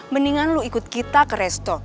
mendingan lu ikut kita ke resto